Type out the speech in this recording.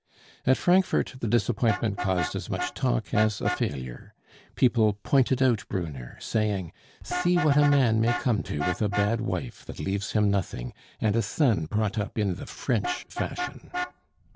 At Frankfort the disappointment caused as much talk as a failure. People pointed out Brunner, saying, "See what a man may come to with a bad wife that leaves him nothing and a son brought up in the French fashion."